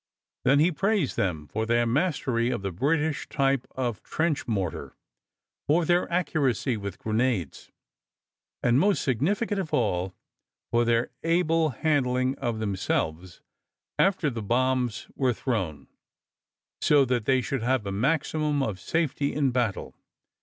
Then he praised them for their mastery of the British type of trench mortar, for their accuracy with grenades and, most significant of all, for their able handling of themselves after the bombs were thrown, so that they should have a maximum of safety in battle.